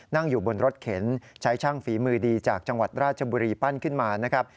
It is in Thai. นั่งอยู่บนรถเข็นใช้ช่างฝีมือดีจากจังหวัดราชบุรีปั้นขึ้นมานะครับ